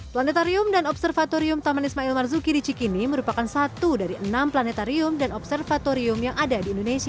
planetarium dan observatorium taman ismail marzuki di cikini merupakan satu dari enam planetarium dan observatorium yang ada di indonesia